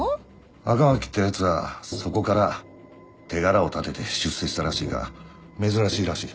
赤巻ってやつはそこから手柄を立てて出世したらしいが珍しいらしい。